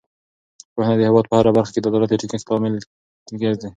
پوهنه د هېواد په هره برخه کې د عدالت د ټینګښت لامل ګرځي.